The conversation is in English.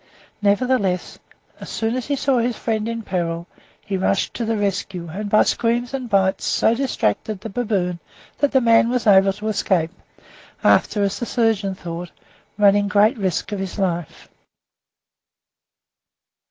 Nevertheless, as soon as he saw his friend in peril, he rushed to the rescue, and by screams and bites so distracted the baboon that the man was able to escape, after, as the surgeon thought, running great risk of his life.